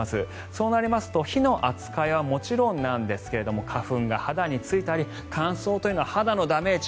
そうなりますと火の扱いはもちろんなんですが花粉が肌についたり乾燥というのは肌のダメージ。